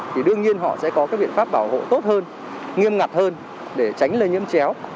thì đương nhiên họ sẽ có cái biện pháp bảo hộ tốt hơn nghiêm ngặt hơn để tránh lây nhiễm chéo